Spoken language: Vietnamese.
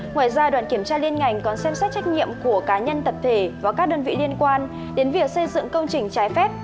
ngoài ra đoàn kiểm tra liên ngành còn xem xét trách nhiệm của cá nhân tập thể và các đơn vị liên quan đến việc xây dựng công trình trái phép